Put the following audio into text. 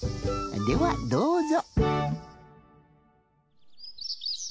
ではどうぞ。